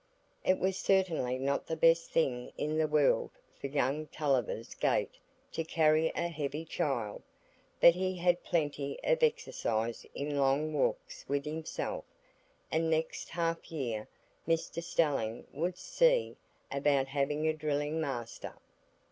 It was certainly not the best thing in the world for young Tulliver's gait to carry a heavy child, but he had plenty of exercise in long walks with himself, and next half year Mr Stelling would see about having a drilling master.